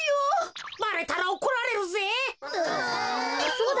そうだ！